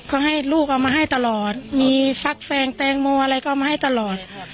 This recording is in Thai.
ก็ให้ลูกเอามาให้ตลอดมีฟักแฟงแตงเมาอะไรตลอด